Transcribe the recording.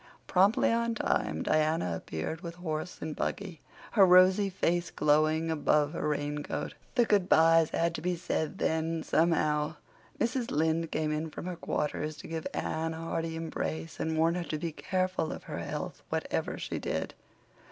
Promptly on time Diana appeared with horse and buggy, her rosy face glowing above her raincoat. The good byes had to be said then somehow. Mrs. Lynde came in from her quarters to give Anne a hearty embrace and warn her to be careful of her health, whatever she did.